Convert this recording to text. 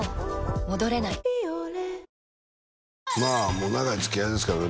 もう長いつきあいですけどね